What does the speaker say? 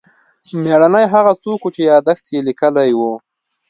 مېړنی هغه څوک و چې یادښت یې لیکلی و.